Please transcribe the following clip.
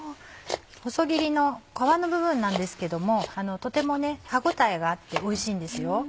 細切りの皮の部分なんですけどもとてもね歯応えがあっておいしいんですよ。